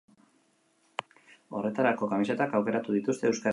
Horretarako kamisetak aukeratu dituzte euskarri.